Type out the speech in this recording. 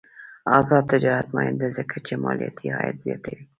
آزاد تجارت مهم دی ځکه چې مالیاتي عاید زیاتوي.